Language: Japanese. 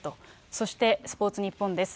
そしてスポーツニッポンです。